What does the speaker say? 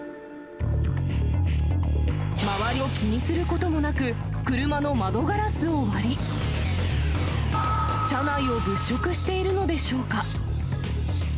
周りを気にすることもなく、車の窓ガラスを割り、車内を物色しているのでしょうか。